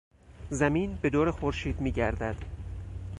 زمین به دور خورشید میگردد.